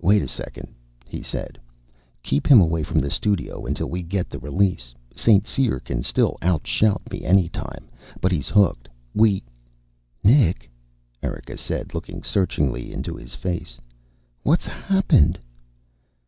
"Wait a second," he said. "Keep him away from the studio until we get the release. St. Cyr can still out shout me any time. But he's hooked. We " "Nick," Erika said, looking searchingly into his face. "What's happened?"